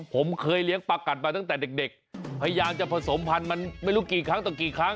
ผมเคยเลี้ยงปลากัดมาตั้งแต่เด็กพยายามจะผสมพันธุ์มันไม่รู้กี่ครั้งต่อกี่ครั้ง